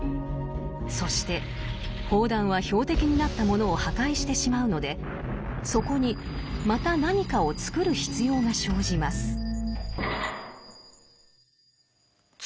そして砲弾は標的になったものを破壊してしまうのでそこにまた何かを作る必要が生じます。